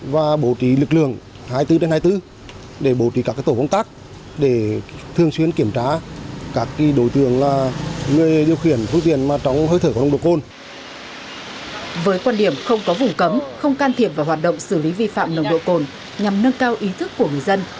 với quan điểm không có vùng cấm không can thiệp vào hoạt động xử lý vi phạm nồng độ cồn nhằm nâng cao ý thức của người dân